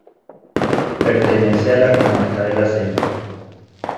Pertenece a la comarca de La Selva.